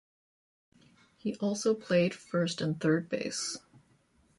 He also played first and third base.